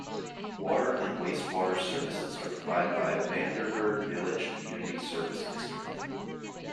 Water and Wastewater services are provided by Vandenberg Village Community Services District.